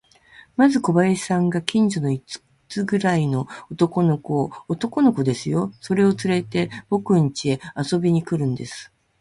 まず小林さんが、近所の五つくらいの男の子を、男の子ですよ、それをつれて、ぼくんちへ遊びに来るんです。